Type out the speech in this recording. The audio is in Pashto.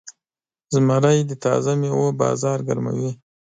زمری د تازه میوو بازار ګرموي.